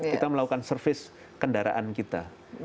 kita melakukan service kendaraan kita